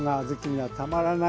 はい。